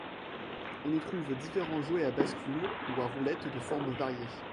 On y trouve différents jouets à bascule ou à roulettes de formes variées.